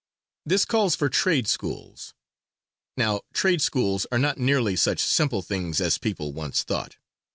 This calls for trade schools. Now trade schools are not nearly such simple things as people once thought.